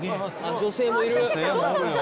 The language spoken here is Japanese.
女性もいる。